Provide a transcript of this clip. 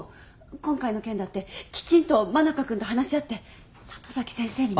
今回の件だってきちんと真中君と話し合って里崎先生にも。